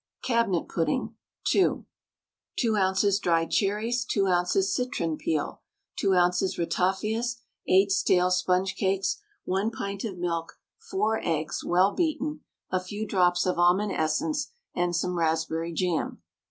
CABINET PUDDING (2). 2 oz. dried cherries, 2 oz. citron peel, 2 oz. ratafias, 8 stale sponge cakes, 1 pint of milk, 4 eggs, well beaten, a few drops of almond essence, and some raspberry jam.